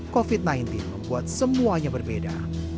covid sembilan belas membuat semuanya berbeda